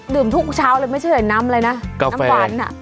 ดื่มทุกเช้าเลยไม่ใช่น้ำเลยนะน้ำหวาน